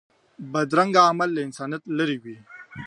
بدرنګه عمل له انسانیت لرې وي